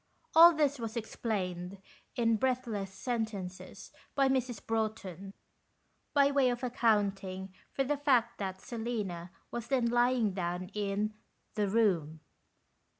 All this was explained, in breathless sentences, by Mrs. Broughton, by way of accounting for the fact that Selina was then lying down in " the room."